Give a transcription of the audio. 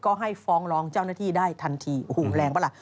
ก็ให้ฟ้องร้องเจ้าหน้าที่ได้ทันทีโอ้โหแรงปะล่ะ